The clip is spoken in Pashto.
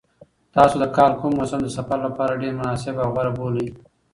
تاسو د کال کوم موسم د سفر لپاره ډېر مناسب او غوره بولئ؟